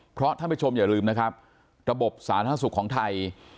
เพราะท่านผู้ชมอย่าลืมนะครับระบบสารทัศนศ์ศุกร์ของไทย